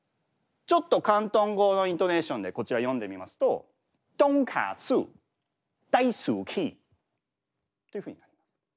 ちょっと広東語のイントネーションでこちら読んでみますととんかつだいすきっていうふうに。